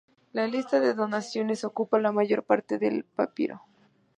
La lista de donaciones ocupa la mayor parte del papiro.